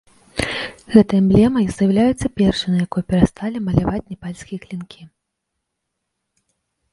Гэта эмблема з'яўляецца першай, на якой перасталі маляваць непальскія клінкі.